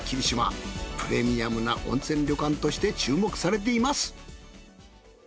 プレミアムな温泉旅館として注目されています。